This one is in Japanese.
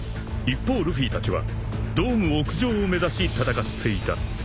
［一方ルフィたちはドーム屋上を目指し戦っていた］